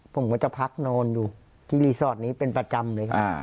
ผมก็จะพักนอนอยู่ที่รีสอร์ทนี้เป็นประจำเลยครับ